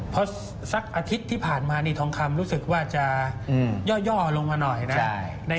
เพราะสักอาทิตย์ที่ผ่านมานี่ทองคำรู้สึกว่าจะย่อลงมาหน่อยนะ